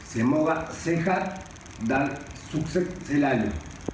semoga sehat dan sukses selalu